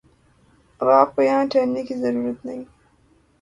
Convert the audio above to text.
اب آپ کو یہاں ٹھہرنے کی ضرورت نہیں ہے